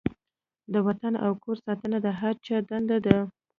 د وطن او کور ساتنه د هر چا دنده ده.